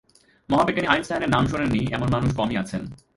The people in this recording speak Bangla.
মহাবিজ্ঞানী আইনস্টাইনের নাম শোনেননি এমন মানুষ কমই আছেন।